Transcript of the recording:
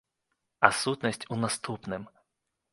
А сутнасць у наступным.